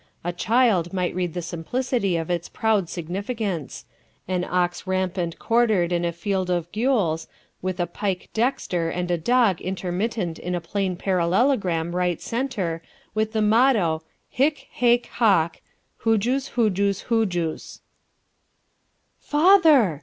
A child might read the simplicity of its proud significance an ox rampant quartered in a field of gules with a pike dexter and a dog intermittent in a plain parallelogram right centre, with the motto, "Hic, haec, hoc, hujus, hujus, hujus." "Father!"